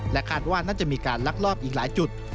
คาดว่าน่าจะมีการลักลอบอีกหลายจุด